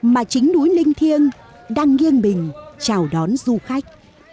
mà chính núi linh thiêng đang nghiêng mình chào đón du khách